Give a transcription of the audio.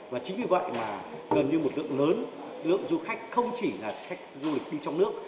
và chính vì vậy mà gần như một lượng lớn lượng du khách không chỉ là khách du lịch đi trong nước